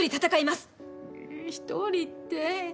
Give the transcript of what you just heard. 一人って。